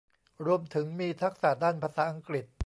รวมถึงมีทักษะด้านภาษาอังกฤษ